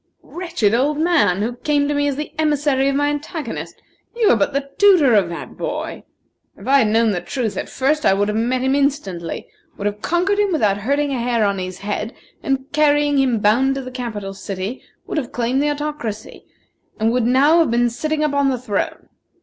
"Wretched old man, who came to me as the emissary of my antagonist, you are but the tutor of that boy! If I had known the truth at first, I would have met him instantly; would have conquered him without hurting a hair on his head; and carrying him bound to the capital city, would have claimed the Autocracy, and would now have been sitting upon the throne.